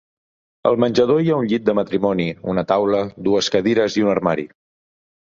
Al menjador hi ha un llit de matrimoni, una taula, dues cadires i un armari.